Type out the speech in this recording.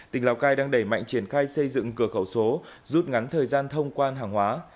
tỉnh lào cai đang đẩy mạnh triển khai xây dựng cửa khẩu số rút ngắn thời gian thông quan hàng hóa